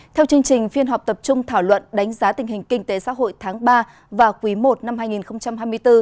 theo chương trình phiên họp tập trung thảo luận đánh giá tình hình kinh tế xã hội tháng ba và quý i năm hai nghìn hai mươi bốn